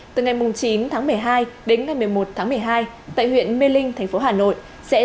từ ngày chín tháng một mươi hai đến ngày một mươi một tháng một mươi hai tại huyện mê linh thành phố hà nội